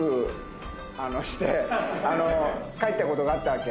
帰ったことがあったわけ。